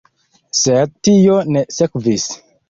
Sed tio ne sekvis.